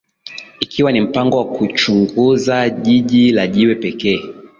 Ikiwa ni mpango wa kuchunguza Jiji la Jiwe pekee